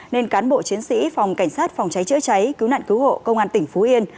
nên cán bộ chiến sĩ phòng cảnh sát phòng cháy chữa cháy cứu nạn cứu hộ công an tỉnh phú yên